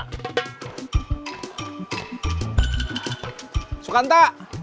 kang mus sudah gak ada